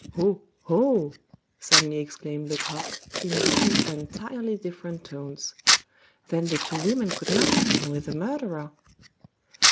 "Oh! oh!" suddenly exclaimed Lecoq in two entirely different tones. "Then the two women could not have been with the murderer!"